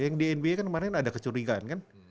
yang di nba kemarin ada kecurigaan kan